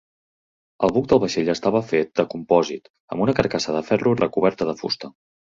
El buc del vaixell estava fet de compòsit amb una carcassa de ferro recoberta de fusta.